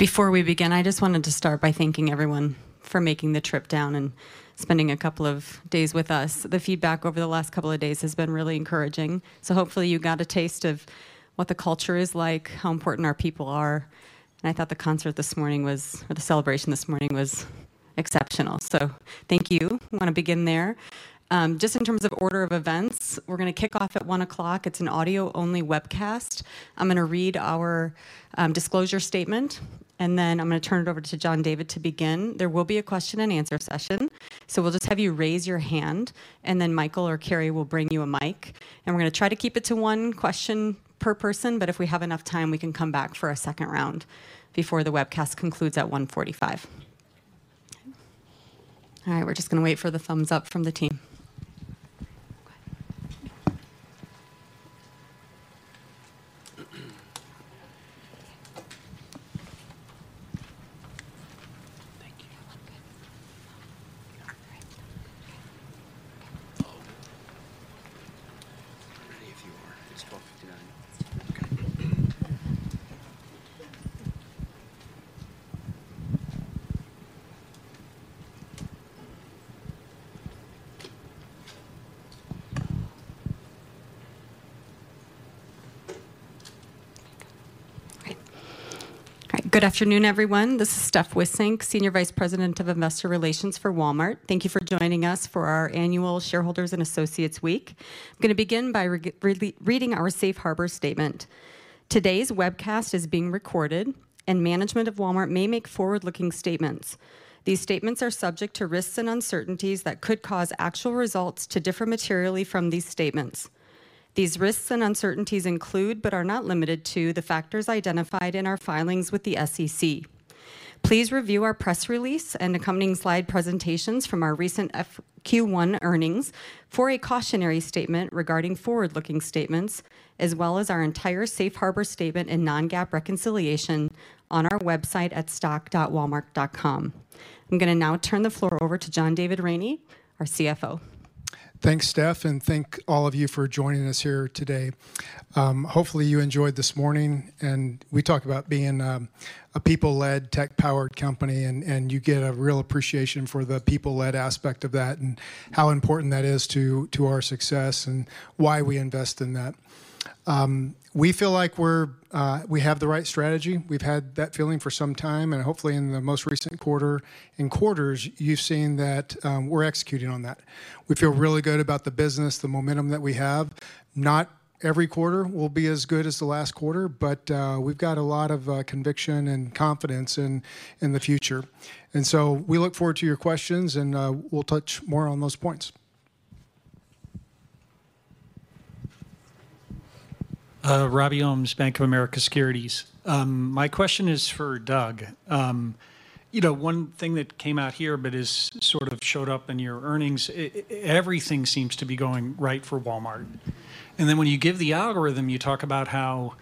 Before we begin, I just wanted to start by thanking everyone for making the trip down and spending a couple of days with us. The feedback over the last couple of days has been really encouraging, so hopefully you got a taste of what the culture is like, how important our people are, and I thought the concert this morning was, or the celebration this morning was exceptional. So thank you. I want to begin there. Just in terms of order of events, we're going to kick off at 1:00 P.M. It's an audio-only webcast. I'm going to read our disclosure statement, and then I'm going to turn it over to John David to begin. There will be a question and answer session, so we'll just have you raise your hand, and then Michael or Carrie will bring you a mic. We're going to try to keep it to one question per person, but if we have enough time, we can come back for a second round before the webcast concludes at 1:45 P.M. All right, we're just going to wait for the thumbs up from the team. Thank you. You look good. Ready if you are. It's 12:59 P.M. Okay. All right. Good afternoon, everyone. This is Steph Wissink, Senior Vice President of Investor Relations for Walmart. Thank you for joining us for our annual Shareholders and Associates Week. I'm going to begin by reading our safe harbor statement. Today's webcast is being recorded, and management of Walmart may make forward-looking statements. These statements are subject to risks and uncertainties that could cause actual results to differ materially from these statements. These risks and uncertainties include, but are not limited to, the factors identified in our filings with the SEC. Please review our press release and accompanying slide presentations from our recent FY Q1 earnings for a cautionary statement regarding forward-looking statements, as well as our entire safe harbor statement and non-GAAP reconciliation on our website at stock.walmart.com. I'm going to now turn the floor over to John David Rainey, our CFO. Thanks, Steph, and thank all of you for joining us here today. Hopefully you enjoyed this morning, and we talked about being a people-led, tech-powered company, and you get a real appreciation for the people-led aspect of that and how important that is to our success and why we invest in that. We feel like we have the right strategy. We've had that feeling for some time, and hopefully, in the most recent quarter, in quarters, you've seen that we're executing on that. We feel really good about the business, the momentum that we have. Not every quarter will be as good as the last quarter, but we've got a lot of conviction and confidence in the future. And so we look forward to your questions, and we'll touch more on those points. Robbie Ohmes, Bank of America Securities. My question is for Doug. You know, one thing that came out here but has sort of showed up in your earnings, everything seems to be going right for Walmart. Then when you give the algorithm, you talk about how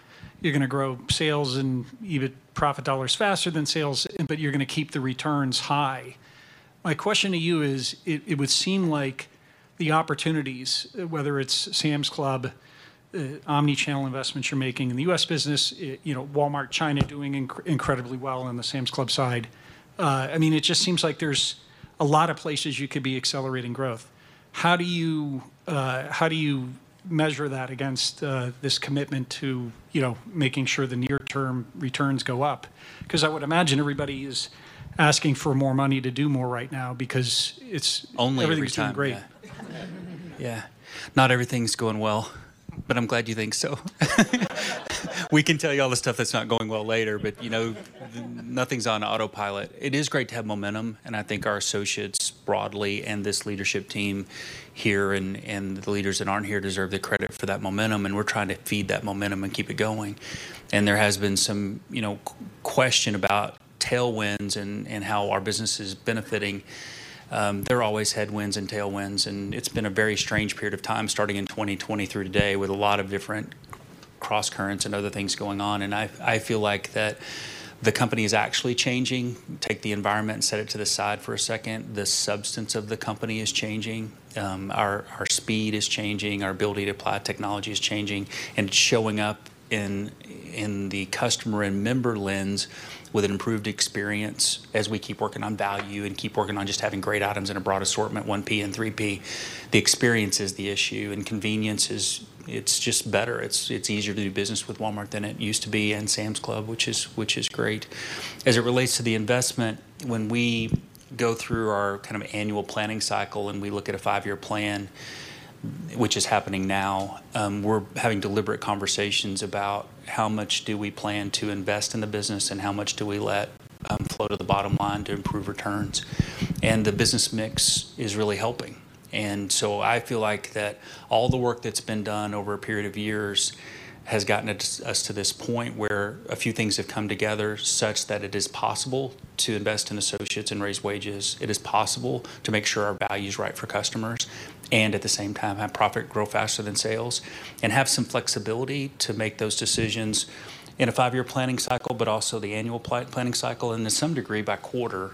you're going to grow sales and even profit dollars faster than sales, but you're going to keep the returns high. My question to you is, it would seem like the opportunities, whether it's Sam's Club, omni-channel investments you're making in the U.S. business, you know, Walmart China doing incredibly well on the Sam's Club side, I mean, it just seems like there's a lot of places you could be accelerating growth. How do you, how do you measure that against this commitment to, you know, making sure the near-term returns go up? Because I would imagine everybody is asking for more money to do more right now, because it's- Only every time, yeah. Yeah. Not everything's going well, but I'm glad you think so. We can tell you all the stuff that's not going well later, but, you know, nothing's on autopilot. It is great to have momentum, and I think our associates broadly and this leadership team here and the leaders that aren't here deserve the credit for that momentum, and we're trying to feed that momentum and keep it going. And there has been some, you know, question about tailwinds and how our business is benefiting. There are always headwinds and tailwinds, and it's been a very strange period of time, starting in 2020 through today, with a lot of different crosscurrents and other things going on. And I feel like the company is actually changing. Take the environment and set it to the side for a second. The substance of the company is changing. Our, our speed is changing, our ability to apply technology is changing and showing up in, in the customer and member lens with an improved experience as we keep working on value and keep working on just having great items in a broad assortment, 1P and 3P. The experience is the issue, and convenience is... It's just better. It's, it's easier to do business with Walmart than it used to be, and Sam's Club, which is, which is great. As it relates to the investment, when we go through our kind of annual planning cycle, and we look at a 5-year plan, which is happening now, we're having deliberate conversations about how much do we plan to invest in the business and how much do we let, flow to the bottom line to improve returns. And the business mix is really helping. And so I feel like that all the work that's been done over a period of years has gotten us to this point where a few things have come together such that it is possible to invest in associates and raise wages. It is possible to make sure our value's right for customers, and at the same time, have profit grow faster than sales, and have some flexibility to make those decisions in a five-year planning cycle, but also the annual planning cycle, and to some degree, by quarter,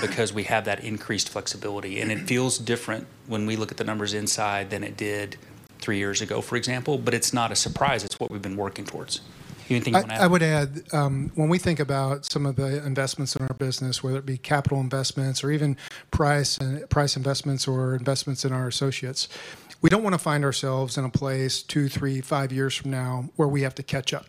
because we have that increased flexibility. And it feels different when we look at the numbers inside than it did three years ago, for example, but it's not a surprise. It's what we've been working towards. Anything you want to add? I would add, when we think about some of the investments in our business, whether it be capital investments or even price investments or investments in our associates, we don't want to find ourselves in a place two, three, five years from now where we have to catch up.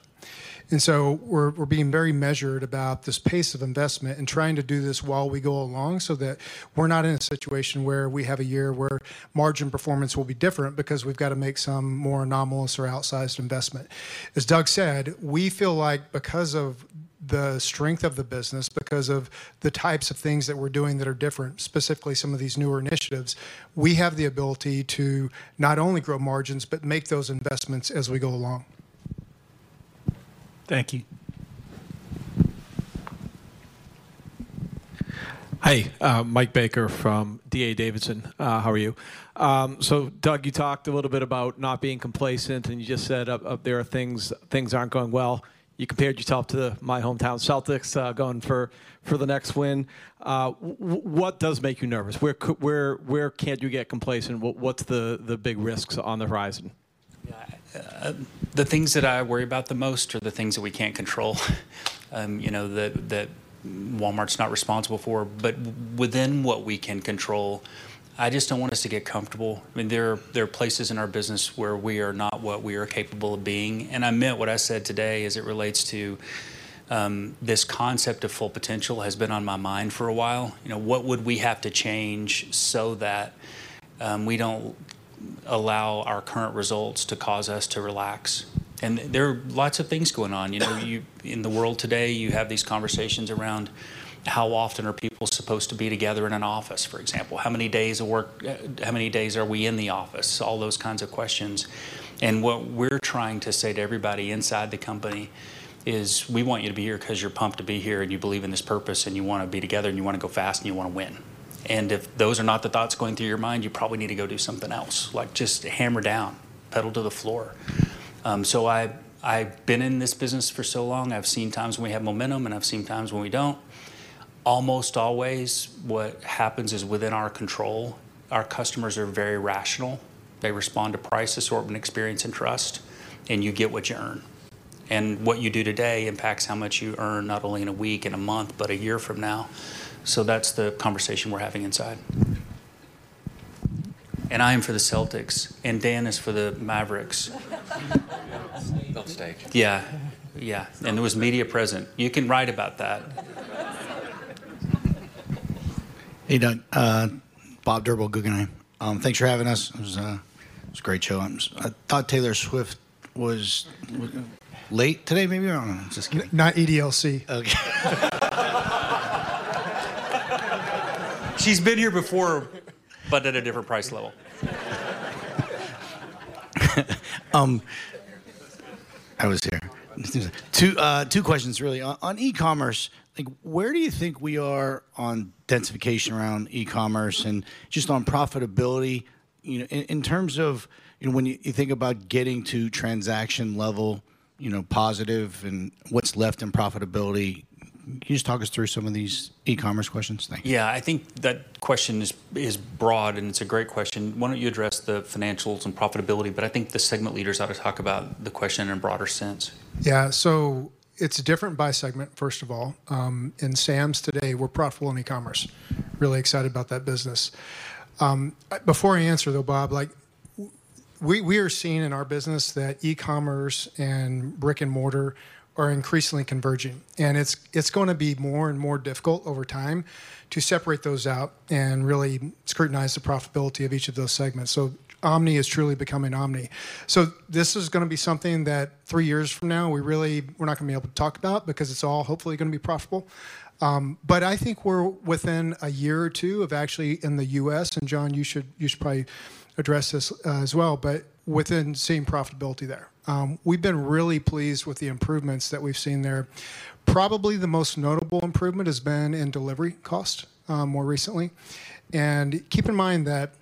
And so we're being very measured about this pace of investment and trying to do this while we go along so that we're not in a situation where we have a year where margin performance will be different because we've got to make some more anomalous or outsized investment. As Doug said, we feel like because of the strength of the business, because of the types of things that we're doing that are different, specifically some of these newer initiatives, we have the ability to not only grow margins, but make those investments as we go along. Thank you. Hi, Mike Baker from D.A. Davidson. How are you? So Doug, you talked a little bit about not being complacent, and you just said up there, things aren't going well. You compared yourself to my hometown Celtics, going for the next win. What does make you nervous? Where can you get complacent, and what's the big risks on the horizon? Yeah, the things that I worry about the most are the things that we can't control, you know, that Walmart's not responsible for. But within what we can control, I just don't want us to get comfortable. I mean, there are places in our business where we are not what we are capable of being, and I meant what I said today as it relates to this concept of full potential has been on my mind for a while. You know, what would we have to change so that we don't allow our current results to cause us to relax? And there are lots of things going on. You know, in the world today, you have these conversations around how often are people supposed to be together in an office, for example. How many days of work, how many days are we in the office? All those kinds of questions. And what we're trying to say to everybody inside the company is, "We want you to be here 'cause you're pumped to be here, and you believe in this purpose, and you want to be together, and you want to go fast, and you want to win. And if those are not the thoughts going through your mind, you probably need to go do something else. Like, just hammer down. Pedal to the floor." So I've been in this business for so long. I've seen times when we have momentum, and I've seen times when we don't. Almost always, what happens is within our control. Our customers are very rational. They respond to price, assortment, experience, and trust, and you get what you earn. What you do today impacts how much you earn, not only in a week, in a month, but a year from now. That's the conversation we're having inside. I am for the Celtics, and Dan is for the Mavericks. No stake. Yeah. Yeah, and there was media present. You can write about that. Hey, Doug. Bob Drbul, Guggenheim. Thanks for having us. It was a, it was a great show. I thought Taylor Swift was late today, maybe? I don't know. Not EDLC. Okay. She's been here before. But at a different price level. I was here. Two, two questions, really. On e-commerce, like, where do you think we are on densification around e-commerce and just on profitability? You know, in terms of, you know, when you think about getting to transaction level, you know, positive and what's left in profitability, can you just talk us through some of these e-commerce questions? Thank you. Yeah, I think that question is broad, and it's a great question. Why don't you address the financials and profitability, but I think the segment leaders ought to talk about the question in a broader sense. Yeah, so it's different by segment, first of all. In Sam's today, we're profitable in e-commerce. Really excited about that business. Before I answer, though, Bob, like we are seeing in our business that e-commerce and brick-and-mortar are increasingly converging, and it's going to be more and more difficult over time to separate those out and really scrutinize the profitability of each of those segments. So omni is truly becoming omni. So this is going to be something that three years from now, we really... we're not going to be able to talk about because it's all hopefully going to be profitable. But I think we're within a year or two of actually, in the U.S., and John, you should probably address this as well, but within seeing profitability there. We've been really pleased with the improvements that we've seen there. Probably the most notable improvement has been in delivery cost, more recently. And keep in mind that,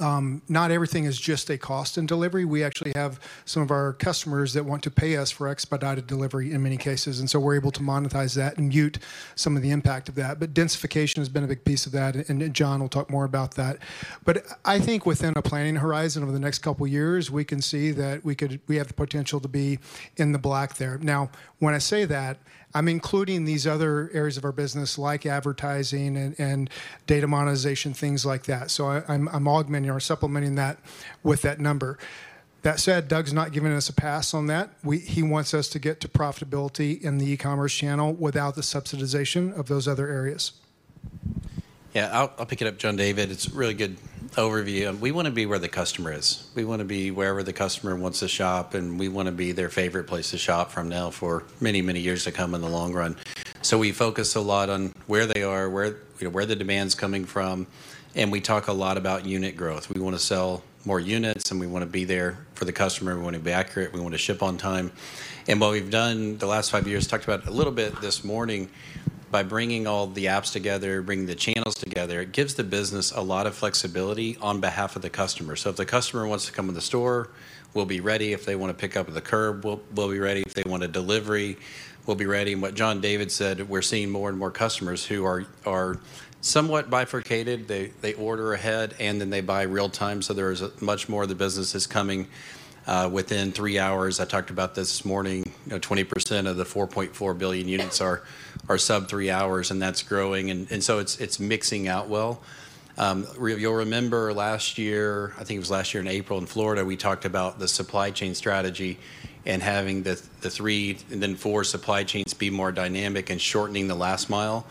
not everything is just a cost in delivery. We actually have some of our customers that want to pay us for expedited delivery in many cases, and so we're able to monetize that and mute some of the impact of that. But densification has been a big piece of that, and, and John will talk more about that. But I think within a planning horizon over the next couple of years, we can see that we could- we have the potential to be in the black there. Now, when I say that, I'm including these other areas of our business, like advertising and, and data monetization, things like that. So I'm augmenting or supplementing that with that number. That said, Doug's not giving us a pass on that. We. He wants us to get to profitability in the e-commerce channel without the subsidization of those other areas.... Yeah, I'll pick it up, John David. It's a really good overview. We wanna be where the customer is. We wanna be wherever the customer wants to shop, and we wanna be their favorite place to shop from now for many, many years to come in the long run. So we focus a lot on where they are, where, you know, where the demand's coming from, and we talk a lot about unit growth. We wanna sell more units, and we wanna be there for the customer. We wanna be accurate, we wanna ship on time. And what we've done the last five years, talked about a little bit this morning, by bringing all the apps together, bringing the channels together, it gives the business a lot of flexibility on behalf of the customer. So if the customer wants to come in the store, we'll be ready. If they wanna pick up at the curb, we'll be ready. If they want a delivery, we'll be ready. And what John David said, we're seeing more and more customers who are somewhat bifurcated. They order ahead, and then they buy real time, so there is much more of the business coming within three hours. I talked about this this morning. You know, 20% of the 4.4 billion units are sub-three hours, and that's growing. And so it's mixing out well. You'll remember last year, I think it was last year in April, in Florida, we talked about the supply chain strategy and having the three and then four supply chains be more dynamic and shortening the last mile.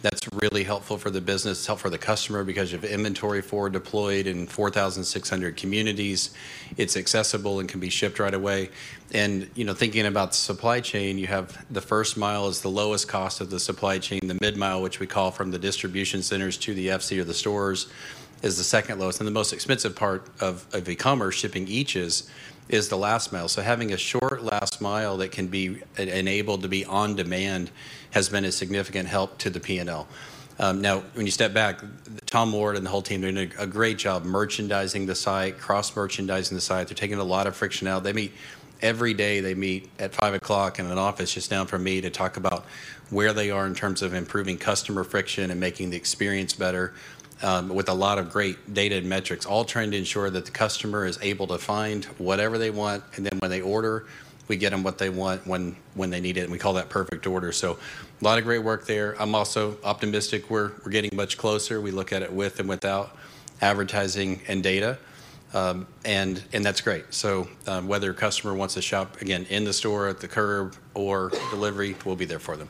That's really helpful for the business, helpful for the customer, because you have inventory deployed in 4,600 communities. It's accessible and can be shipped right away. You know, thinking about the supply chain, you have the first mile is the lowest cost of the supply chain. The mid-mile, which we call from the distribution centers to the FC or the stores, is the second lowest, and the most expensive part of e-commerce shipping is the last mile. So having a short last mile that can be e-enabled to be on demand has been a significant help to the P&L. Now, when you step back, Tom Ward and the whole team are doing a great job merchandising the site, cross-merchandising the site. They're taking a lot of friction out. Every day, they meet at 5:00 in an office just down from me to talk about where they are in terms of improving customer friction and making the experience better, with a lot of great data and metrics, all trying to ensure that the customer is able to find whatever they want, and then when they order, we get them what they want, when they need it, and we call that perfect order. So a lot of great work there. I'm also optimistic we're getting much closer. We look at it with and without advertising and data, and that's great. So, whether a customer wants to shop, again, in the store, at the curb, or delivery, we'll be there for them.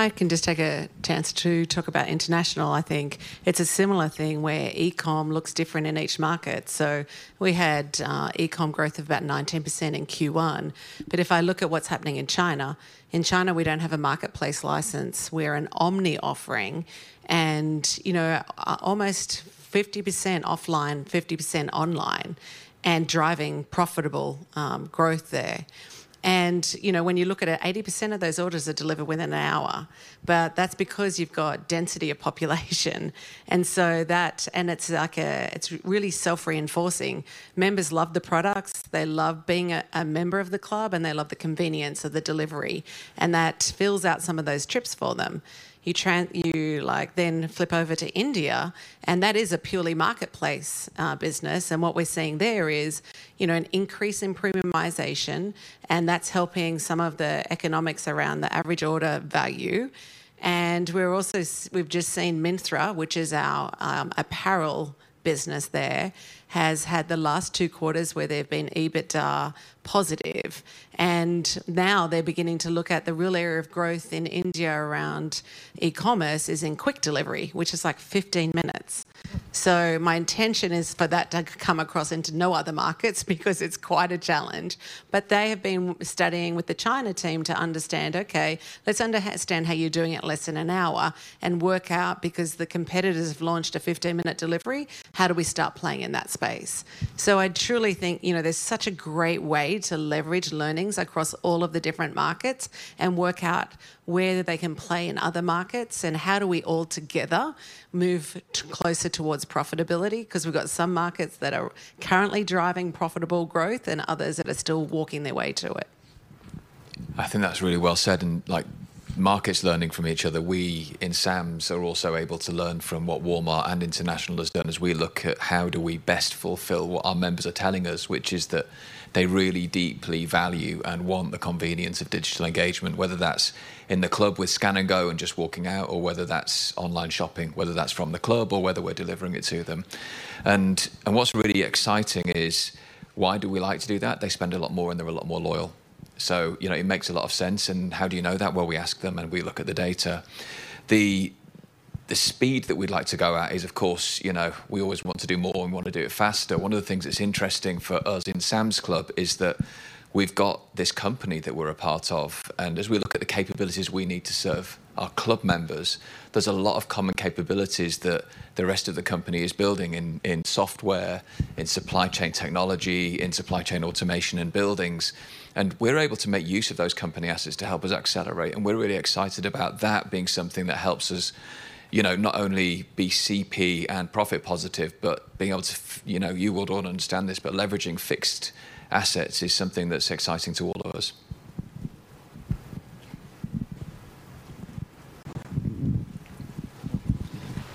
If I can just take a chance to talk about international, I think it's a similar thing where e-com looks different in each market. So we had e-com growth of about 19% in Q1. But if I look at what's happening in China, in China, we don't have a marketplace license. We're an omni offering and, you know, almost 50% offline, 50% online, and driving profitable growth there. And, you know, when you look at it, 80% of those orders are delivered within an hour, but that's because you've got density of population and so it's like, it's really self-reinforcing. Members love the products, they love being a member of the club, and they love the convenience of the delivery, and that fills out some of those trips for them. You, like, then flip over to India, and that is a purely marketplace business, and what we're seeing there is, you know, an increase in premiumization, and that's helping some of the economics around the average order value. And we're also, we've just seen Myntra, which is our apparel business there, has had the last two quarters where they've been EBITDA positive. And now they're beginning to look at the real area of growth in India around e-commerce is in quick delivery, which is, like, 15 minutes. So my intention is for that to come across into no other markets because it's quite a challenge. But they have been studying with the China team to understand, "Okay, let's understand how you're doing it in less than an hour and work out, because the competitors have launched a 15-minute delivery, how do we start playing in that space?" So I truly think, you know, there's such a great way to leverage learnings across all of the different markets and work out where they can play in other markets and how do we all together move closer towards profitability, 'cause we've got some markets that are currently driving profitable growth and others that are still working their way to it. I think that's really well said, and, like, markets learning from each other, we in Sam's are also able to learn from what Walmart and international has done as we look at how do we best fulfill what our members are telling us, which is that they really deeply value and want the convenience of digital engagement, whether that's in the club with Scan and Go and just walking out, or whether that's online shopping, whether that's from the club or whether we're delivering it to them. And what's really exciting is, why do we like to do that? They spend a lot more, and they're a lot more loyal. So, you know, it makes a lot of sense, and how do you know that? Well, we ask them, and we look at the data. The speed that we'd like to go at is, of course, you know, we always want to do more, and we want to do it faster. One of the things that's interesting for us in Sam's Club is that we've got this company that we're a part of, and as we look at the capabilities we need to serve our club members, there's a lot of common capabilities that the rest of the company is building in, in software, in supply chain technology, in supply chain automation and buildings. And we're able to make use of those company assets to help us accelerate, and we're really excited about that being something that helps us, you know, not only be CP and profit positive, but being able to, you know, you would all understand this, but leveraging fixed assets is something that's exciting to all of us.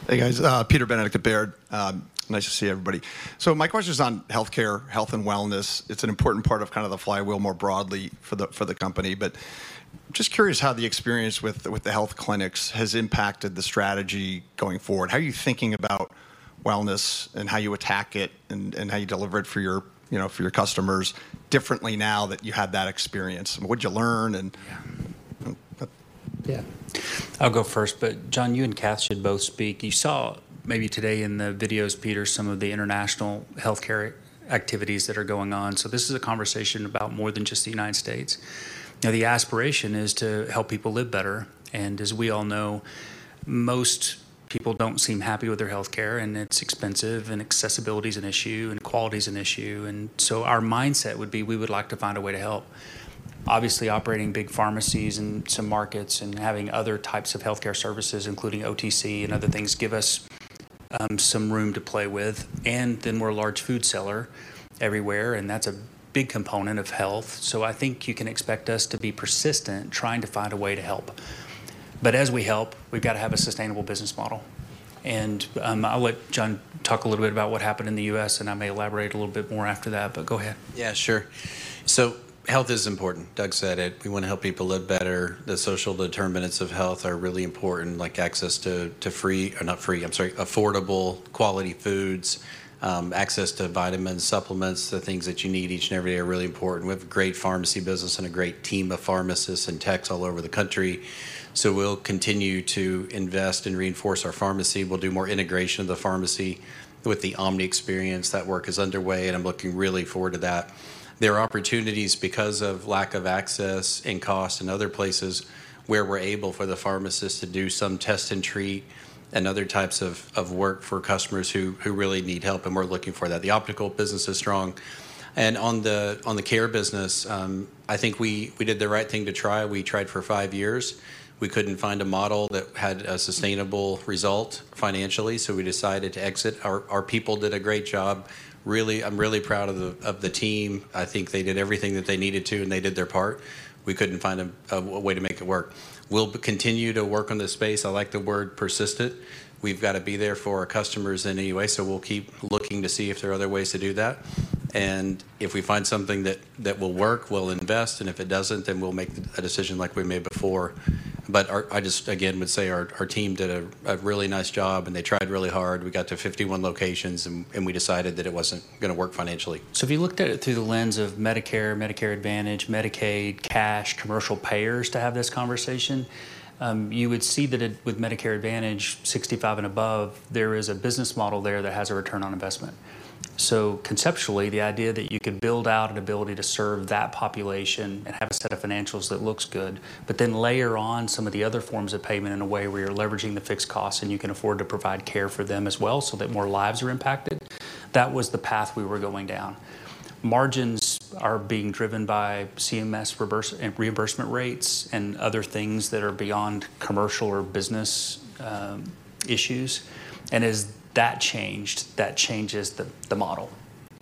Hey, guys, Peter Benedict at Baird. Nice to see everybody. So my question is on healthcare, health, and wellness. It's an important part of kind of the flywheel more broadly for the, for the company, but just curious how the experience with, with the health clinics has impacted the strategy going forward. How are you thinking about wellness and how you attack it and, and how you deliver it for your, you know, for your customers differently now that you've had that experience? What'd you learn and-... Yeah, I'll go first, but John, you and Kath should both speak. You saw maybe today in the videos, Peter, some of the international healthcare activities that are going on, so this is a conversation about more than just the United States. Now, the aspiration is to help people live better, and as we all know, most people don't seem happy with their healthcare, and it's expensive, and accessibility is an issue, and quality is an issue. And so our mindset would be, we would like to find a way to help. Obviously, operating big pharmacies in some markets and having other types of healthcare services, including OTC and other things, give us some room to play with. And then we're a large food seller everywhere, and that's a big component of health. So I think you can expect us to be persistent, trying to find a way to help. But as we help, we've got to have a sustainable business model. And, I'll let John talk a little bit about what happened in the U.S., and I may elaborate a little bit more after that, but go ahead. Yeah, sure. So health is important. Doug said it. We want to help people live better. The social determinants of health are really important, like access to, to free, or not free, I'm sorry, affordable, quality foods, access to vitamins, supplements, the things that you need each and every day are really important. We have a great pharmacy business and a great team of pharmacists and techs all over the country, so we'll continue to invest and reinforce our pharmacy. We'll do more integration of the pharmacy with the omni experience. That work is underway, and I'm looking really forward to that. There are opportunities because of lack of access and cost in other places where we're able for the pharmacist to do some test and treat and other types of work for customers who really need help, and we're looking for that. The optical business is strong. On the care business, I think we did the right thing to try. We tried for five years. We couldn't find a model that had a sustainable result financially, so we decided to exit. Our people did a great job. Really, I'm really proud of the team. I think they did everything that they needed to, and they did their part. We couldn't find a way to make it work. We'll continue to work on this space. I like the word persistent. We've got to be there for our customers in any way, so we'll keep looking to see if there are other ways to do that. If we find something that will work, we'll invest, and if it doesn't, then we'll make a decision like we made before. But our team did a really nice job, and they tried really hard. We got to 51 locations, and we decided that it wasn't gonna work financially. So if you looked at it through the lens of Medicare, Medicare Advantage, Medicaid, cash, commercial payers to have this conversation, you would see that it, with Medicare Advantage, 65 and above, there is a business model there that has a return on investment. So conceptually, the idea that you could build out an ability to serve that population and have a set of financials that looks good, but then layer on some of the other forms of payment in a way where you're leveraging the fixed costs, and you can afford to provide care for them as well, so that more lives are impacted, that was the path we were going down. Margins are being driven by CMS reverse, reimbursement rates and other things that are beyond commercial or business issues. As that changed, that changes the model,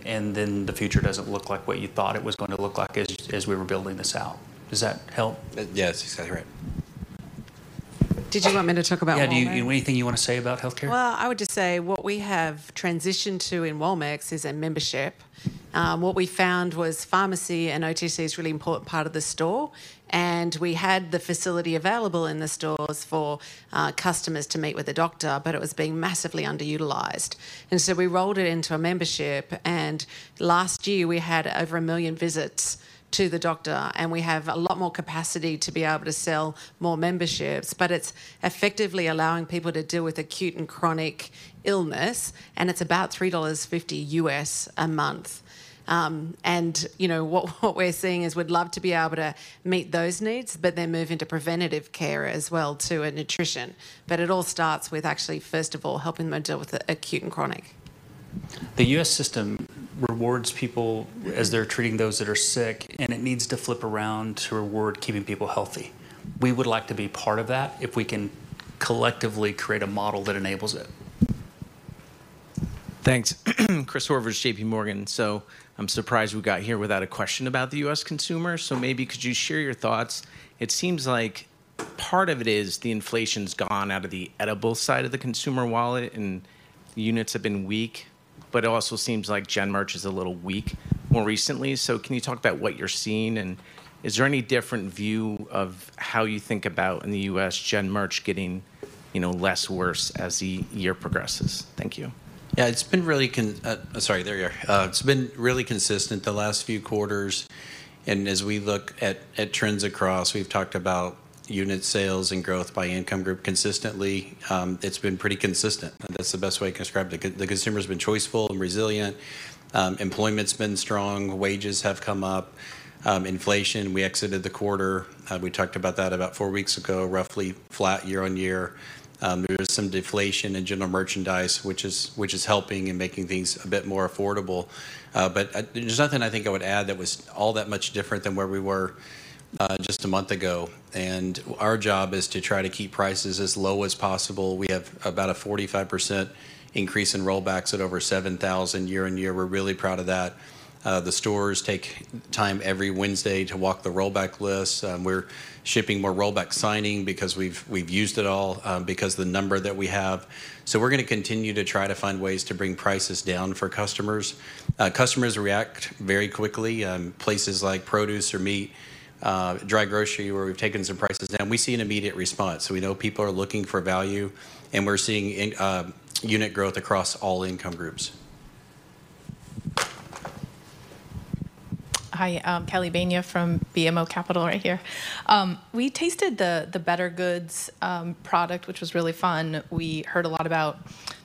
and then the future doesn't look like what you thought it was gonna look like as we were building this out. Does that help? Yes, exactly right. Did you want me to talk about? Yeah, do you, anything you want to say about healthcare? Well, I would just say what we have transitioned to in Walmex is a membership. What we found was pharmacy and OTC is a really important part of the store, and we had the facility available in the stores for, customers to meet with the doctor, but it was being massively underutilized. So we rolled it into a membership, and last year, we had over 1 million visits to the doctor, and we have a lot more capacity to be able to sell more memberships. But it's effectively allowing people to deal with acute and chronic illness, and it's about $3.50 a month. And you know, what we're seeing is we'd love to be able to meet those needs, but then move into preventative care as well, too, and nutrition. It all starts with actually, first of all, helping them deal with the acute and chronic. The U.S. system rewards people as they're treating those that are sick, and it needs to flip around to reward keeping people healthy. We would like to be part of that if we can collectively create a model that enables it. Thanks. Chris Horvers, JPMorgan. So I'm surprised we got here without a question about the U.S. consumer. So maybe could you share your thoughts? It seems like part of it is the inflation's gone out of the edible side of the consumer wallet, and units have been weak, but it also seems like gen merch is a little weak more recently. So can you talk about what you're seeing, and is there any different view of how you think about in the U.S., gen merch getting, you know, less worse as the year progresses? Thank you. Yeah, it's been really consistent the last few quarters, and as we look at trends across, we've talked about unit sales and growth by income group consistently. It's been pretty consistent. That's the best way to describe it. The consumer has been choiceful and resilient. Employment's been strong, wages have come up. Inflation, we exited the quarter, we talked about that about four weeks ago, roughly flat year-over-year. There was some deflation in general merchandise, which is helping and making things a bit more affordable. But there's nothing I think I would add that was all that much different than where we were just a month ago. And our job is to try to keep prices as low as possible. We have about a 45% increase in rollbacks at over 7,000 year-over-year. We're really proud of that. The stores take time every Wednesday to walk the rollback list. We're shipping more rollback signing because we've used it all, because the number that we have. So we're gonna continue to try to find ways to bring prices down for customers. Customers react very quickly. Places like produce or meat, dry grocery, where we've taken some prices down, we see an immediate response. So we know people are looking for value, and we're seeing in, unit growth across all income groups. Hi, I'm Kelly Bania from BMO Capital, right here. We tasted the Better Goods product, which was really fun. We heard a lot about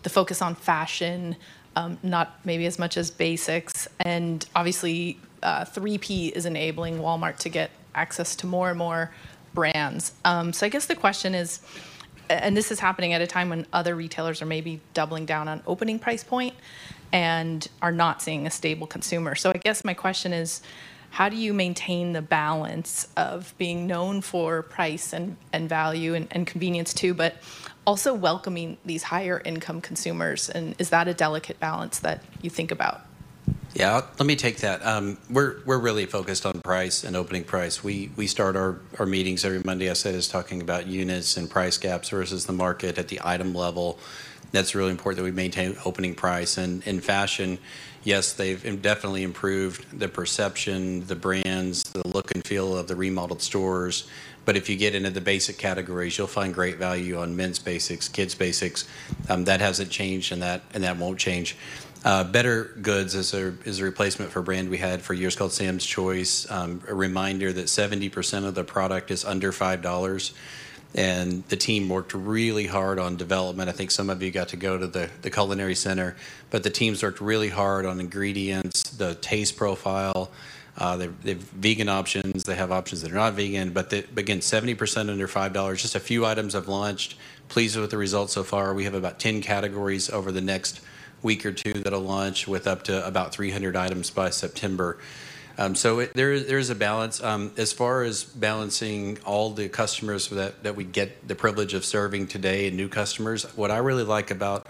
the focus on fashion, not maybe as much as basics, and obviously, 3P is enabling Walmart to get access to more and more brands. So I guess the question is, and this is happening at a time when other retailers are maybe doubling down on opening price point and are not seeing a stable consumer. So I guess my question is: how do you maintain the balance of being known for price, and value, and convenience too, but also welcoming these higher income consumers? And is that a delicate balance that you think about? Yeah, let me take that. We're really focused on price and opening price. We start our meetings every Monday, as I said, talking about units and price gaps versus the market at the item level. That's really important that we maintain opening price. And in fashion, yes, they've definitely improved the perception, the brands, the look and feel of the remodeled stores, but if you get into the basic categories, you'll find great value on men's basics, kids' basics. That hasn't changed, and that won't change. Better Goods is a replacement for a brand we had for years called Sam's Choice. A reminder that 70% of the product is under $5, and the team worked really hard on development. I think some of you got to go to the culinary center, but the teams worked really hard on ingredients, the taste profile. They've vegan options, they have options that are not vegan, but the—again, 70% under $5. Just a few items have launched. Pleased with the results so far. We have about 10 categories over the next week or two that'll launch with up to about 300 items by September. So it, there is a balance. As far as balancing all the customers that we get the privilege of serving today and new customers, what I really like about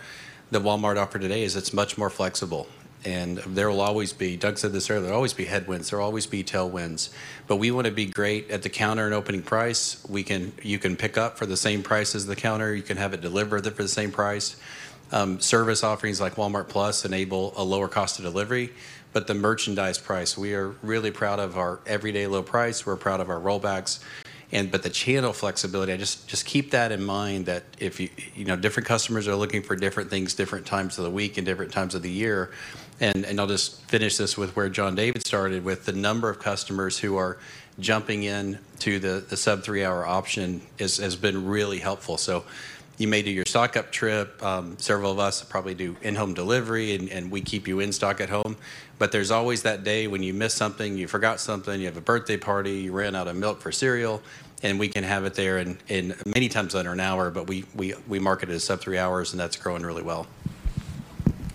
the Walmart offer today is it's much more flexible, and there will always be... Doug said this earlier, there'll always be headwinds, there'll always be tailwinds. But we want to be great at the counter and opening price. You can pick up for the same price as the counter, you can have it delivered for the same price. Service offerings like Walmart+ enable a lower cost of delivery, but the merchandise price, we are really proud of our Everyday Low Price, we're proud of our rollbacks. But the channel flexibility, I just keep that in mind that if you... You know, different customers are looking for different things, different times of the week and different times of the year. And I'll just finish this with where John David started, with the number of customers who are jumping in to the sub 3-hour option has been really helpful. So you may do your stock-up trip, several of us probably do InHome delivery, and we keep you in stock at home. There's always that day when you miss something, you forgot something, you have a birthday party, you ran out of milk for cereal, and we can have it there in many times under an hour, but we market it as sub three hours, and that's growing really well.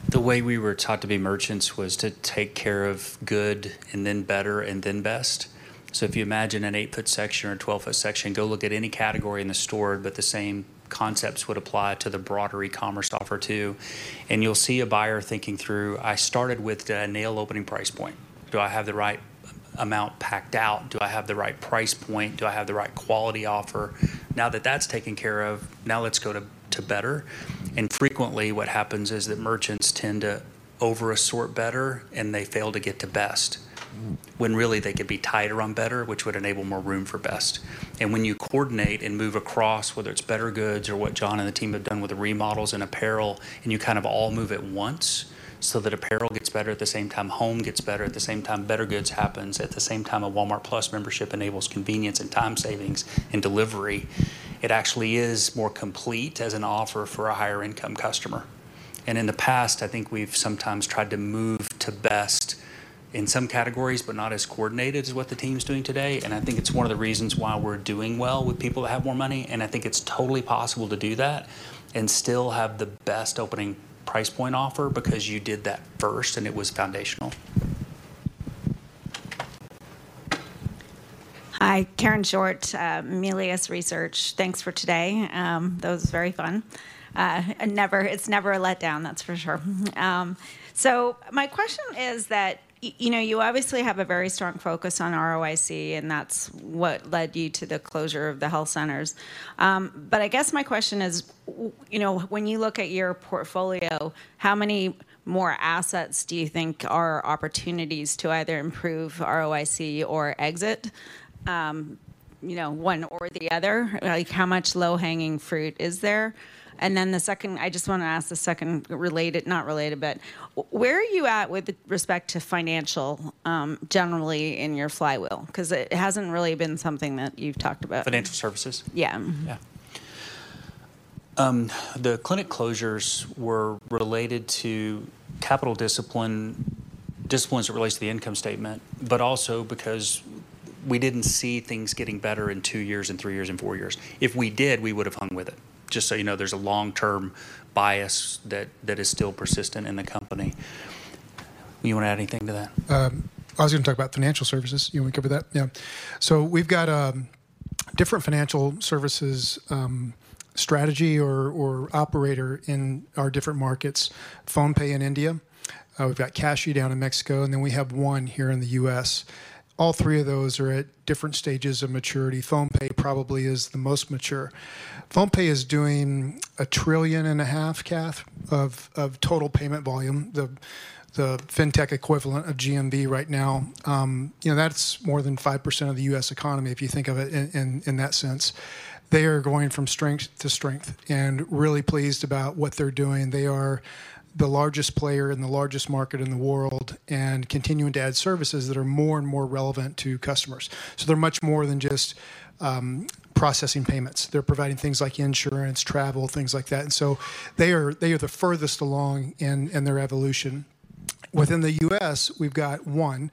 The way we were taught to be merchants was to take care of good, and then better, and then best. So if you imagine an 8-foot section or a 12-foot section, go look at any category in the store, but the same concepts would apply to the broader e-commerce offer, too. And you'll see a buyer thinking through, "I started with the nail opening price point. Do I have the right amount packed out? Do I have the right price point? Do I have the right quality offer? Now that that's taken care of, now let's go to, to better." And frequently, what happens is that merchants tend to over-assort better, and they fail to get to best, when really they could be tighter on better, which would enable more room for best. When you coordinate and move across, whether it's Better Goods or what John and the team have done with the remodels and apparel, and you kind of all move at once so that apparel gets better at the same time, home gets better at the same time, Better Goods happens at the same time, a Walmart Plus membership enables convenience and time savings and delivery, it actually is more complete as an offer for a higher income customer. In the past, I think we've sometimes tried to move to best in some categories, but not as coordinated as what the team is doing today. I think it's one of the reasons why we're doing well with people that have more money, and I think it's totally possible to do that and still have the best opening price point offer because you did that first and it was foundational. Hi, Karen Short, Melius Research. Thanks for today. That was very fun. It's never a letdown, that's for sure. So my question is that, you know, you obviously have a very strong focus on ROIC, and that's what led you to the closure of the health centers. But I guess my question is: you know, when you look at your portfolio, how many more assets do you think are opportunities to either improve ROIC or exit, you know, one or the other? Like, how much low-hanging fruit is there? And then the second, I just want to ask the second related, not related, but where are you at with respect to financial, generally in your flywheel? Because it hasn't really been something that you've talked about. Financial services? Yeah. Yeah. The clinic closures were related to capital discipline, disciplines that relates to the income statement, but also because we didn't see things getting better in two years, and three years, and four years. If we did, we would have hung with it. Just so you know, there's a long-term bias that, that is still persistent in the company. You want to add anything to that? I was going to talk about financial services. You want me to cover that? Yeah. So we've got different financial services strategy or operator in our different markets. PhonePe in India, we've got Cashi down in Mexico, and then we have One here in the U.S. All three of those are at different stages of maturity. PhonePe probably is the most mature. PhonePe is doing $1.5 trillion, Cath, of total payment volume, the fintech equivalent of GMV right now. You know, that's more than 5% of the U.S. economy, if you think of it in that sense. They are going from strength to strength and really pleased about what they're doing. They are the largest player in the largest market in the world and continuing to add services that are more and more relevant to customers. So they're much more than just processing payments. They're providing things like insurance, travel, things like that. And so they are the furthest along in their evolution.... Within the U.S., we've got One,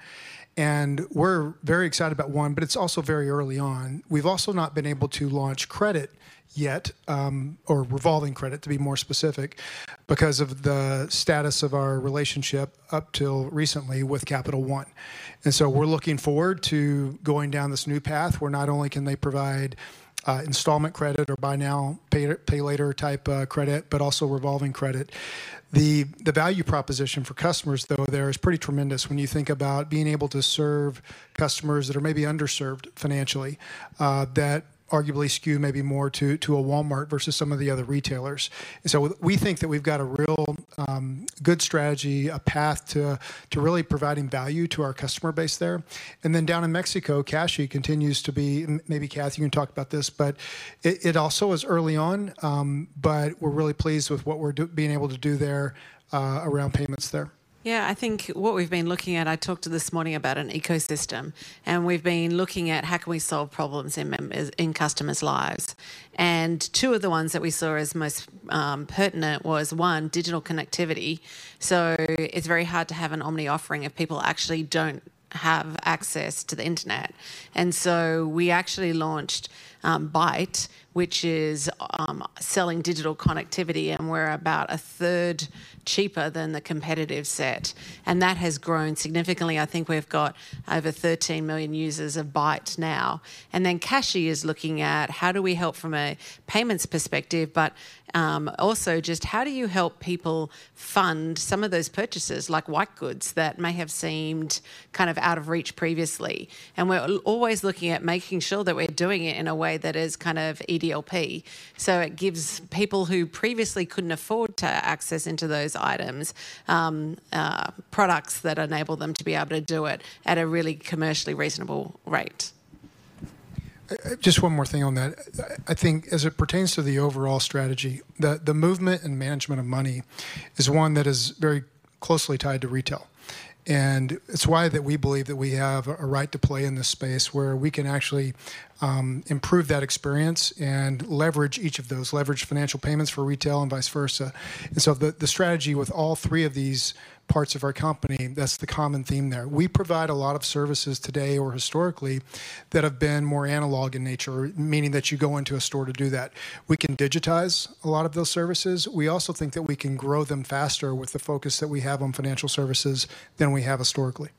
and we're very excited about One, but it's also very early on. We've also not been able to launch credit yet, or revolving credit, to be more specific, because of the status of our relationship up till recently with Capital One. And so we're looking forward to going down this new path, where not only can they provide, installment credit or buy now, pay, pay later type, credit, but also revolving credit. The value proposition for customers, though, there is pretty tremendous when you think about being able to serve customers that are maybe underserved financially, that arguably skew maybe more to a Walmart versus some of the other retailers. So we think that we've got a real, good strategy, a path to really providing value to our customer base there. And then down in Mexico, Cashi continues to be... Maybe Kath, you can talk about this, but it, it also is early on, but we're really pleased with what we're being able to do there, around payments there. Yeah, I think what we've been looking at, I talked this morning about an ecosystem, and we've been looking at how can we solve problems in customers' lives. And two of the ones that we saw as most pertinent was, one, digital connectivity. So it's very hard to have an omni offering if people actually don't have access to the Internet. And so we actually launched Bait, which is selling digital connectivity, and we're about a third cheaper than the competitive set, and that has grown significantly. I think we've got over 13 million users of Bait now. And then Cashi is looking at how do we help from a payments perspective, but also just how do you help people fund some of those purchases, like white goods, that may have seemed kind of out of reach previously? And we're always looking at making sure that we're doing it in a way that is kind of EDLP, so it gives people who previously couldn't afford to access into those items, products that enable them to be able to do it at a really commercially reasonable rate. Just one more thing on that. I, I think as it pertains to the overall strategy, the movement and management of money is one that is very closely tied to retail, and it's why that we believe that we have a right to play in this space, where we can actually improve that experience and leverage each of those, leverage financial payments for retail and vice versa. And so the strategy with all three of these parts of our company, that's the common theme there. We provide a lot of services today or historically, that have been more analog in nature, meaning that you go into a store to do that. We can digitize a lot of those services. We also think that we can grow them faster with the focus that we have on financial services than we have historically.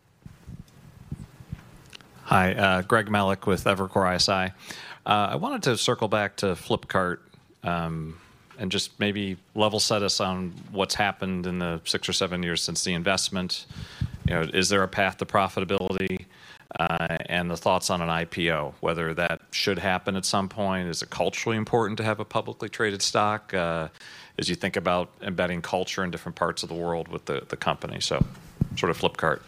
Hi, Greg Melich with Evercore ISI. I wanted to circle back to Flipkart, and just maybe level set us on what's happened in the six or seven years since the investment. You know, is there a path to profitability, and the thoughts on an IPO, whether that should happen at some point? Is it culturally important to have a publicly traded stock, as you think about embedding culture in different parts of the world with the company? So sort of Flipkart.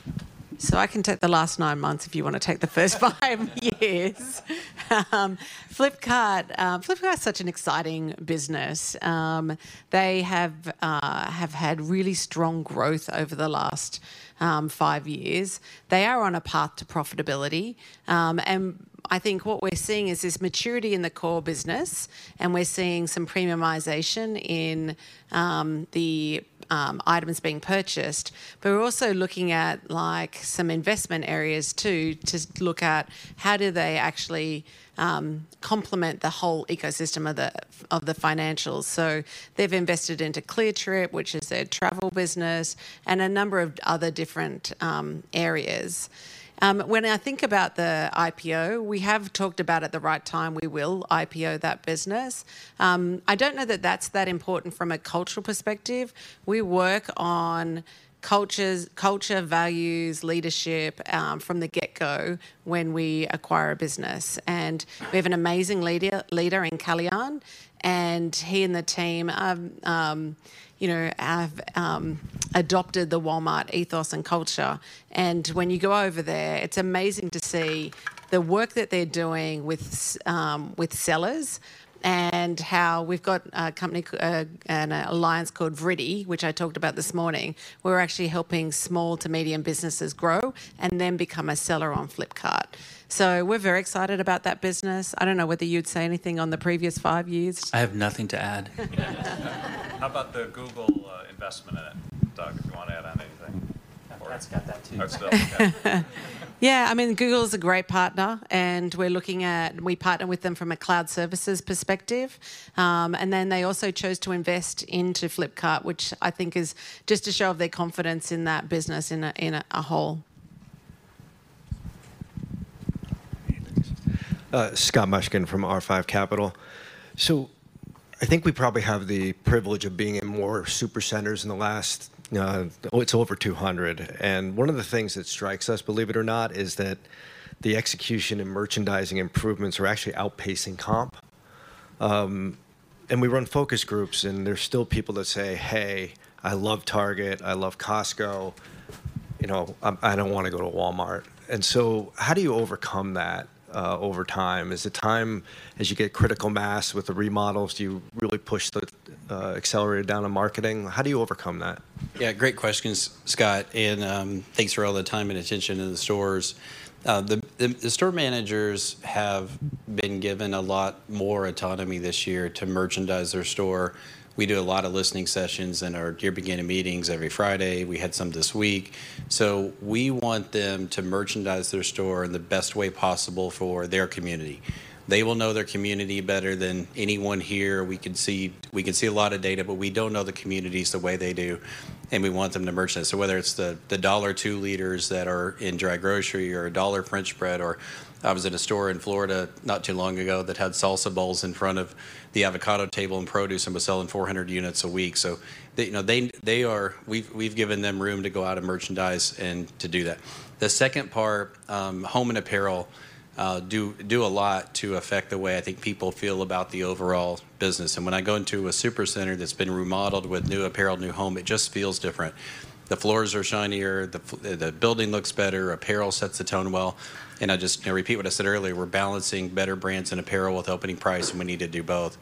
So I can take the last nine months if you want to take the first five years. Flipkart, Flipkart is such an exciting business. They have had really strong growth over the last 5 years. They are on a path to profitability. And I think what we're seeing is this maturity in the core business, and we're seeing some premiumization in the items being purchased. But we're also looking at, like, some investment areas too, to look at how do they actually complement the whole ecosystem of the financials. So they've invested into Cleartrip, which is their travel business, and a number of other different areas. When I think about the IPO, we have talked about at the right time, we will IPO that business. I don't know that that's that important from a cultural perspective. We work on cultures, culture, values, leadership from the get-go when we acquire a business. And we have an amazing leader, leader in Kalyan, and he and the team, you know, have adopted the Walmart ethos and culture. And when you go over there, it's amazing to see the work that they're doing with sellers, and how we've got an alliance called Vriddhi, which I talked about this morning. We're actually helping small to medium businesses grow and then become a seller on Flipkart. So we're very excited about that business. I don't know whether you'd say anything on the previous five years. I have nothing to add. How about the Google investment in it? Doug, if you want to add on anything? I've got that, too. I still... Yeah, I mean, Google is a great partner, and we partner with them from a cloud services perspective. And then they also chose to invest into Flipkart, which I think is just a show of their confidence in that business in a whole. Scott Mushkin from R5 Capital. So I think we probably have the privilege of being in more super centers in the last... Oh, it's over 200. And one of the things that strikes us, believe it or not, is that the execution and merchandising improvements are actually outpacing comp. And we run focus groups, and there's still people that say, "Hey, I love Target, I love Costco, you know, I don't want to go to Walmart." And so how do you overcome that over time? Is the time as you get critical mass with the remodels, do you really push the accelerator down on marketing? How do you overcome that? Yeah, great questions, Scott, and thanks for all the time and attention in the stores. The store managers have been given a lot more autonomy this year to merchandise their store.... We do a lot of listening sessions in our year beginning meetings every Friday. We had some this week. So we want them to merchandise their store in the best way possible for their community. They will know their community better than anyone here. We can see, we can see a lot of data, but we don't know the communities the way they do, and we want them to merchandise it. So whether it's the dollar 2-liters that are in dry grocery or a dollar French bread, or I was at a store in Florida not too long ago that had salsa bowls in front of the avocado table and produce, and was selling 400 units a week. So they, you know, they are. We've given them room to go out and merchandise and to do that. The second part, home and apparel, do a lot to affect the way I think people feel about the overall business. And when I go into a supercenter that's been remodeled with new apparel, new home, it just feels different. The floors are shinier, the building looks better, apparel sets the tone well. And I just repeat what I said earlier, we're balancing better brands and apparel with opening price, and we need to do both.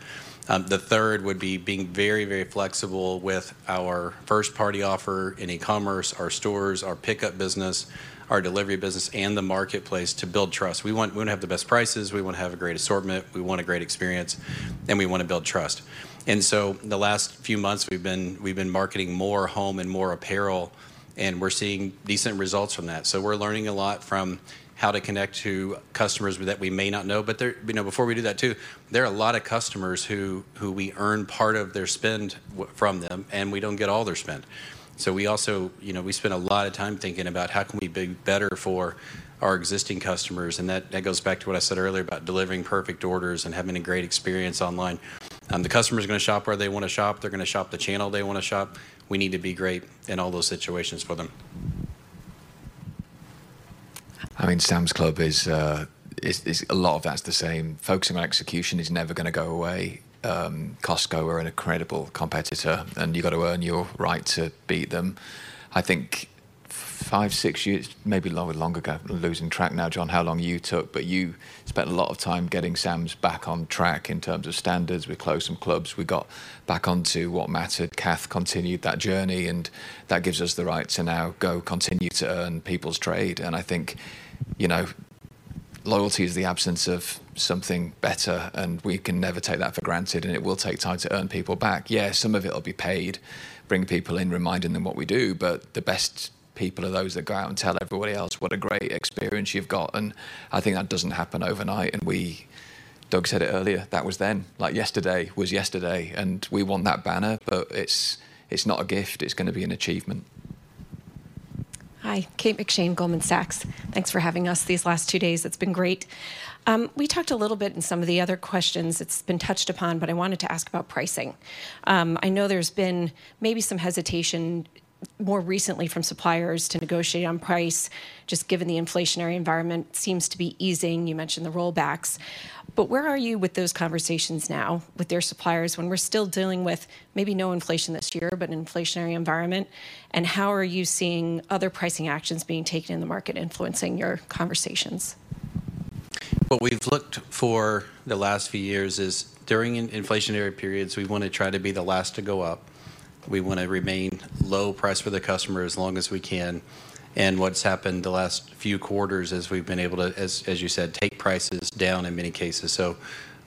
The third would be being very, very flexible with our first-party offer in e-commerce, our stores, our pickup business, our delivery business, and the marketplace to build trust. We wanna have the best prices, we wanna have a great assortment, we want a great experience, and we wanna build trust. The last few months, we've been marketing more home and more apparel, and we're seeing decent results from that. So we're learning a lot from how to connect to customers that we may not know. But there—you know, before we do that, too, there are a lot of customers who we earn part of their spend from them, and we don't get all their spend. So we also, you know, we spend a lot of time thinking about how can we be better for our existing customers, and that goes back to what I said earlier about delivering perfect orders and having a great experience online. The customer's gonna shop where they wanna shop. They're gonna shop the channel they wanna shop. We need to be great in all those situations for them. I mean, Sam's Club is a lot of that's the same. Focusing on execution is never gonna go away. Costco are an incredible competitor, and you've got to earn your right to beat them. I think five, six years, maybe longer ago, losing track now, John, how long you took, but you spent a lot of time getting Sam's back on track in terms of standards. We closed some clubs. We got back onto what mattered. Cath continued that journey, and that gives us the right to now go continue to earn people's trade. And I think, you know, loyalty is the absence of something better, and we can never take that for granted, and it will take time to earn people back. Yeah, some of it will be paid, bringing people in, reminding them what we do, but the best people are those that go out and tell everybody else what a great experience you've got, and I think that doesn't happen overnight. And we, Doug said it earlier, that was then. Like, yesterday was yesterday, and we want that banner, but it's, it's not a gift, it's gonna be an achievement. Hi, Kate McShane, Goldman Sachs. Thanks for having us these last two days. It's been great. We talked a little bit in some of the other questions; it's been touched upon, but I wanted to ask about pricing. I know there's been maybe some hesitation more recently from suppliers to negotiate on price, just given the inflationary environment seems to be easing. You mentioned the rollbacks. But where are you with those conversations now with their suppliers when we're still dealing with maybe no inflation this year, but an inflationary environment? And how are you seeing other pricing actions being taken in the market, influencing your conversations? What we've looked for the last few years is, during inflationary periods, we wanna try to be the last to go up. We wanna remain low price for the customer as long as we can. And what's happened the last few quarters is we've been able to, as you said, take prices down in many cases. So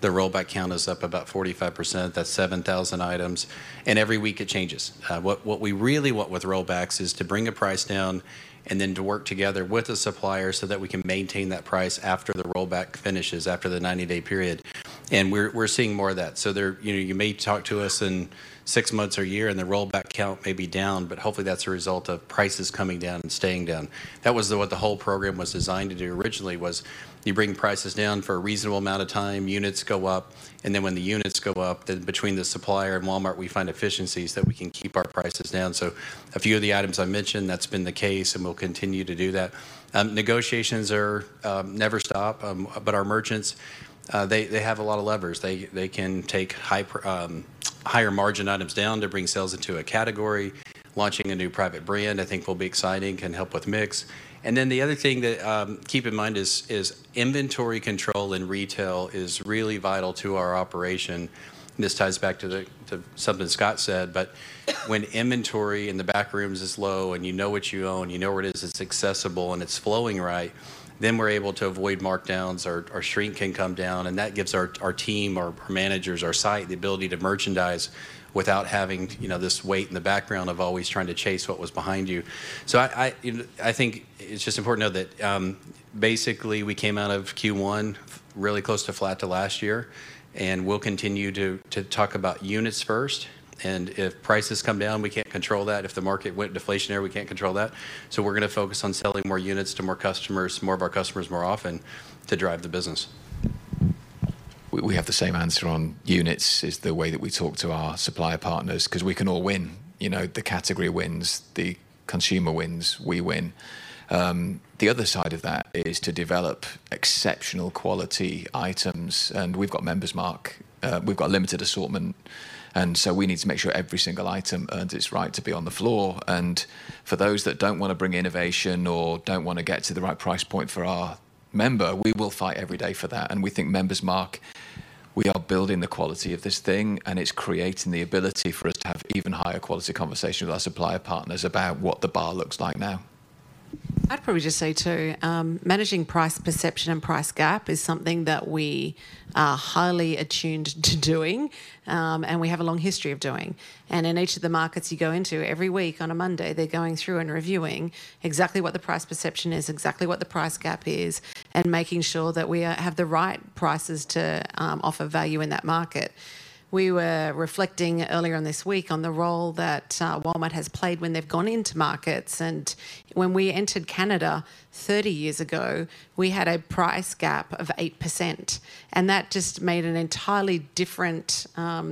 the rollback count is up about 45%. That's 7,000 items, and every week it changes. What we really want with rollbacks is to bring a price down and then to work together with the supplier so that we can maintain that price after the rollback finishes, after the 90-day period. And we're seeing more of that. So they're, you know, you may talk to us in six months or a year, and the rollback count may be down, but hopefully, that's a result of prices coming down and staying down. That was what the whole program was designed to do originally, was you bring prices down for a reasonable amount of time, units go up, and then when the units go up, then between the supplier and Walmart, we find efficiencies that we can keep our prices down. So a few of the items I mentioned, that's been the case, and we'll continue to do that. Negotiations never stop, but our merchants, they have a lot of levers. They can take higher margin items down to bring sales into a category. Launching a new private brand, I think will be exciting, can help with mix. And then the other thing that keep in mind is inventory control in retail is really vital to our operation. This ties back to something Scott said, but when inventory in the back rooms is low, and you know what you own, you know where it is, it's accessible, and it's flowing right, then we're able to avoid markdowns, our shrink can come down, and that gives our team, our managers, our site the ability to merchandise without having, you know, this weight in the background of always trying to chase what was behind you. So, you know, I think it's just important to know that, basically, we came out of Q1 really close to flat to last year, and we'll continue to talk about units first, and if prices come down, we can't control that. If the market went deflationary, we can't control that. So we're gonna focus on selling more units to more customers, more of our customers more often to drive the business. We have the same answer on units is the way that we talk to our supplier partners, 'cause we can all win. You know, the category wins, the consumer wins, we win. The other side of that is to develop exceptional quality items, and we've got Member's Mark, we've got limited assortment, and so we need to make sure every single item earns its right to be on the floor. And for those that don't wanna bring innovation or don't wanna get to the right price point for our member, we will fight every day for that. And we think Member's Mark, we are building the quality of this thing, and it's creating the ability for us to have even higher quality conversation with our supplier partners about what the bar looks like now. ... I'd probably just say, too, managing price perception and price gap is something that we are highly attuned to doing, and we have a long history of doing. And in each of the markets you go into, every week on a Monday, they're going through and reviewing exactly what the price perception is, exactly what the price gap is, and making sure that we have the right prices to offer value in that market. We were reflecting earlier on this week on the role that Walmart has played when they've gone into markets, and when we entered Canada 30 years ago, we had a price gap of 8%, and that just made an entirely different, yeah,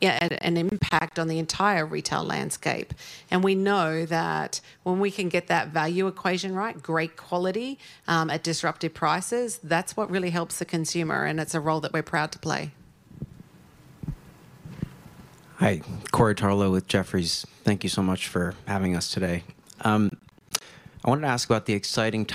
an impact on the entire retail landscape. We know that when we can get that value equation right, great quality, at disruptive prices, that's what really helps the consumer, and it's a role that we're proud to play. Hi, Corey Tarlowe with Jefferies. Thank you so much for having us today. I wanted to ask about the exciting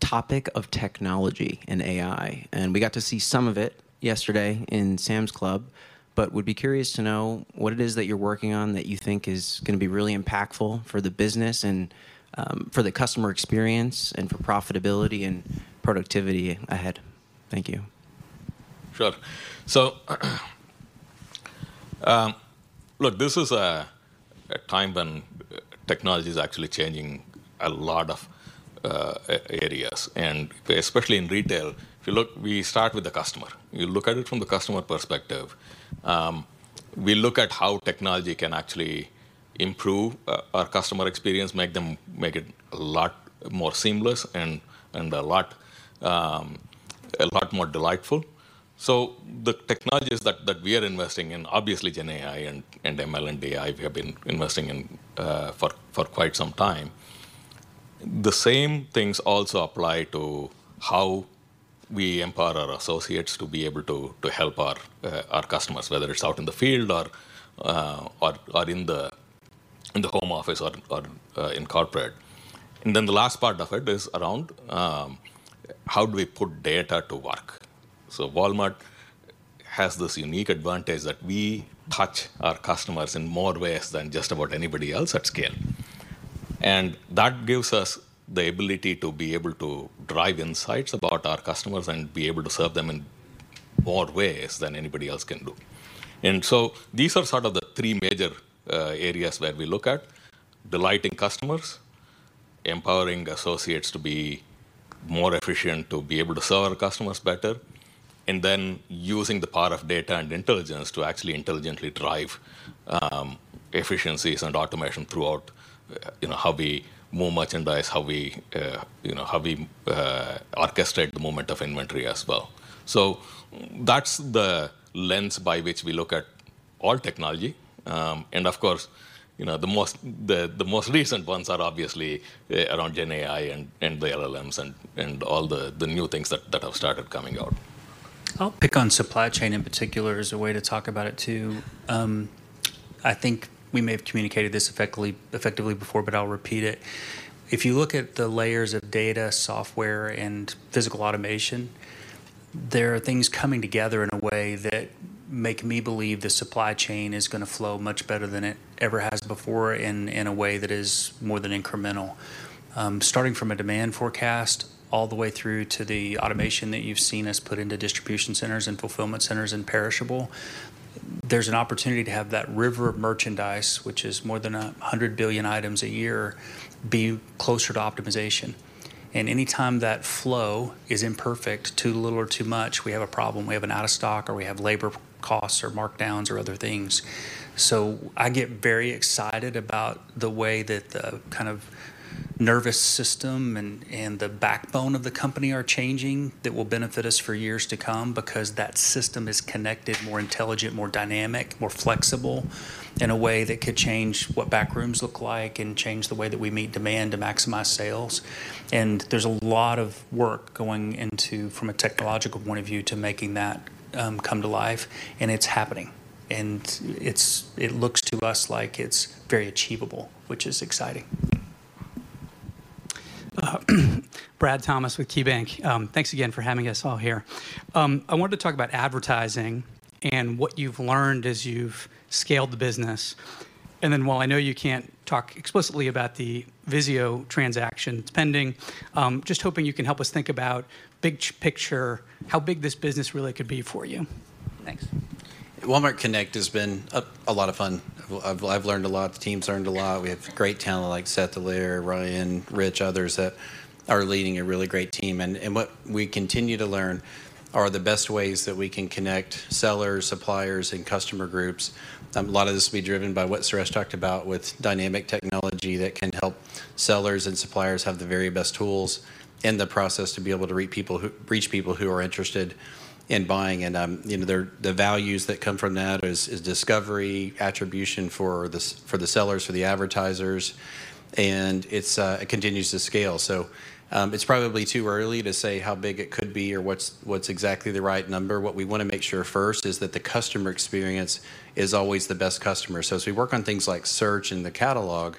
topic of technology and AI, and we got to see some of it yesterday in Sam's Club, but would be curious to know what it is that you're working on that you think is gonna be really impactful for the business and for the customer experience and for profitability and productivity ahead. Thank you. Sure. So, look, this is a time when technology is actually changing a lot of areas, and especially in retail. If you look, we start with the customer. We look at it from the customer perspective. We look at how technology can actually improve our customer experience, make them- make it a lot more seamless and a lot more delightful. So the technologies that we are investing in, obviously GenAI and ML and BI, we have been investing in for quite some time. The same things also apply to how we empower our associates to be able to help our customers, whether it's out in the field or in the home office or in corporate. And then the last part of it is around how do we put data to work? So Walmart has this unique advantage that we touch our customers in more ways than just about anybody else at scale. And that gives us the ability to be able to drive insights about our customers and be able to serve them in more ways than anybody else can do. And so these are sort of the three major areas where we look at: delighting customers, empowering associates to be more efficient, to be able to serve our customers better, and then using the power of data and intelligence to actually intelligently drive efficiencies and automation throughout, you know, how we move merchandise, how we, you know, how we orchestrate the movement of inventory as well. So that's the lens by which we look at all technology. And of course, you know, the most recent ones are obviously around GenAI and the LLMs and all the new things that have started coming out. I'll pick on supply chain in particular as a way to talk about it, too. I think we may have communicated this effectively before, but I'll repeat it. If you look at the layers of data, software, and physical automation, there are things coming together in a way that make me believe the supply chain is gonna flow much better than it ever has before, in a way that is more than incremental. Starting from a demand forecast all the way through to the automation that you've seen us put into distribution centers and fulfillment centers in perishable, there's an opportunity to have that river of merchandise, which is more than 100 billion items a year, be closer to optimization. Anytime that flow is imperfect, too little or too much, we have a problem. We have an out-of-stock, or we have labor costs or markdowns or other things. So I get very excited about the way that the kind of nervous system and the backbone of the company are changing. That will benefit us for years to come because that system is connected, more intelligent, more dynamic, more flexible in a way that could change what backrooms look like and change the way that we meet demand to maximize sales. And there's a lot of work going into, from a technological point of view, to making that come to life, and it's happening. And it looks to us like it's very achievable, which is exciting. Brad Thomas with KeyBanc. Thanks again for having us all here. I wanted to talk about advertising and what you've learned as you've scaled the business. And then while I know you can't talk explicitly about the VIZIO transaction that's pending, just hoping you can help us think about big picture, how big this business really could be for you. Thanks. Walmart Connect has been a lot of fun. I've learned a lot, the team's learned a lot. We have great talent like Seth Dallaire, Ryan, Rich, others, that are leading a really great team. And what we continue to learn are the best ways that we can connect sellers, suppliers, and customer groups. A lot of this will be driven by what Suresh talked about with dynamic technology that can help sellers and suppliers have the very best tools in the process to be able to reach people who are interested in buying. And, you know, the values that come from that is discovery, attribution for the sellers, for the advertisers, and it continues to scale. So, it's probably too early to say how big it could be or what's, what's exactly the right number. What we want to make sure first is that the customer experience is always the best customer. So as we work on things like search and the catalog,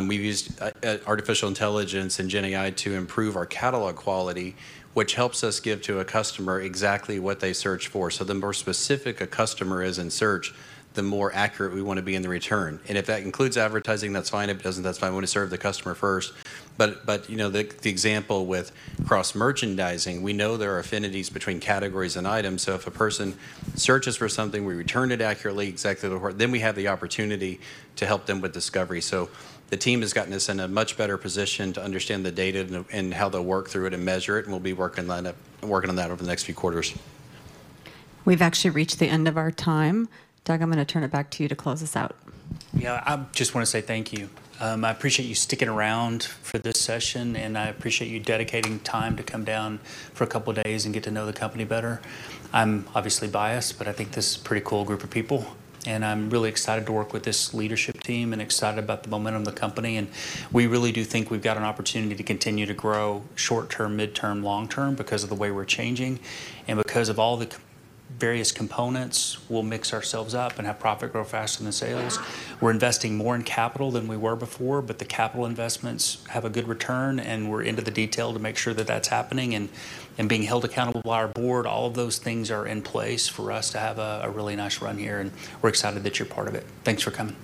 we've used artificial intelligence and GenAI to improve our catalog quality, which helps us give to a customer exactly what they search for. So the more specific a customer is in search, the more accurate we want to be in the return. And if that includes advertising, that's fine. If it doesn't, that's fine. We want to serve the customer first. But, you know, the example with cross-merchandising, we know there are affinities between categories and items, so if a person searches for something, we return it accurately, exactly the word, then we have the opportunity to help them with discovery. So the team has gotten us in a much better position to understand the data and how they'll work through it and measure it, and we'll be working on it, working on that over the next few quarters. We've actually reached the end of our time. Doug, I'm going to turn it back to you to close us out. Yeah, I just want to say thank you. I appreciate you sticking around for this session, and I appreciate you dedicating time to come down for a couple of days and get to know the company better. I'm obviously biased, but I think this is a pretty cool group of people, and I'm really excited to work with this leadership team and excited about the momentum of the company. And we really do think we've got an opportunity to continue to grow short term, midterm, long term, because of the way we're changing, and because of all the various components, we'll mix ourselves up and have profit grow faster than sales. We're investing more in capital than we were before, but the capital investments have a good return, and we're into the detail to make sure that that's happening and being held accountable by our board. All of those things are in place for us to have a really nice run here, and we're excited that you're part of it. Thanks for coming.